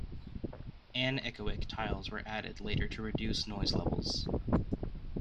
Anechoic tiles were added later to reduce noise levels.